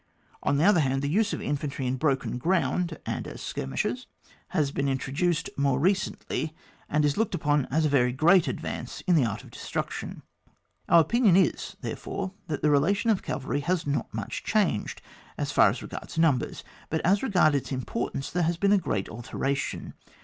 On the other hand, the use of infantry in broken ground and as skirmishers has 10 ON WAR. [book v. been introduced more recently, and is to be looked upon as a very great advance in the art of destruction. Out opinion is, thereforOi that the rela tion of cavalry has not much changed as far as regards numbers, but as regards its importance, there has been a great alteration.